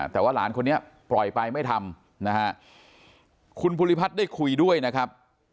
แต่ว่าหลานคนนี้ปล่อยไปไม่ทำนะฮะคุณภูริพัฒน์ได้คุยด้วยนะครับ